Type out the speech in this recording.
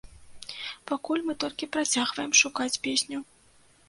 Пакуль мы толькі працягваем шукаць песню.